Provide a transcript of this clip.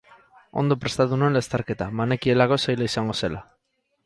Ondo prestatu nuen lasterketa, banekielako zaila izango zela.